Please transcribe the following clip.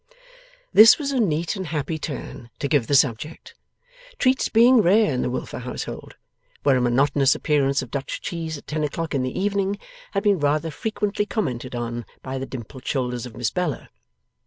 This was a neat and happy turn to give the subject, treats being rare in the Wilfer household, where a monotonous appearance of Dutch cheese at ten o'clock in the evening had been rather frequently commented on by the dimpled shoulders of Miss Bella.